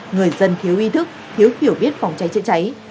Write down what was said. người dân thiếu ý thức thiếu hiểu biết phòng cháy chữa cháy